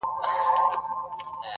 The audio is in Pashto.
خو په کار د عاشقی کي بې صبري مزه کوینه!